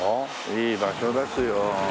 いい場所ですよ。